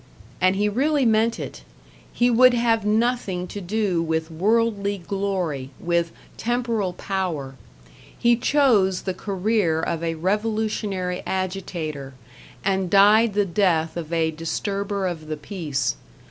And he really meant it; he would have nothing to do with worldly glory, with "temporal power;" he chose the career of a revolutionary agitator, and died the death of a disturber of the peace.